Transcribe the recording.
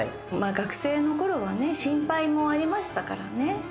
学生の頃はね、心配もありましたからね。